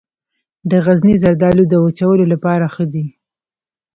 د غزني زردالو د وچولو لپاره ښه دي.